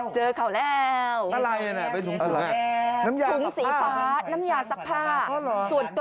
เจอเขาแล้ว